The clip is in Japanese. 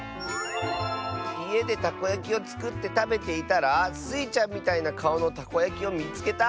「いえでたこやきをつくってたべていたらスイちゃんみたいなかおのたこやきをみつけた！」。